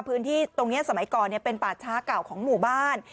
พื้นที่ตรงนี้สมัยก่อนเป็นป่าช้าเก่าของหมู่บ้าน